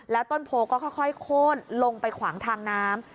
แล้วต้นโพก็ค่อยโค้นลงไปขวางทางน้ำ